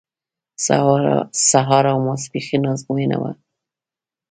سهار او ماسپښین ازموینه وه.